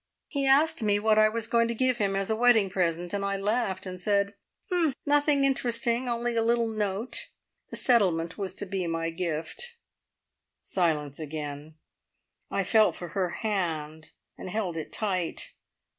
He asked me what I was going to give him as a wedding present, and I laughed, and said, `Nothing interesting. Only a little note!' The settlement was to be my gift." Silence again. I felt for her hand and held it tight?